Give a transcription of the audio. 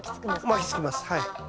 巻きつきますはい。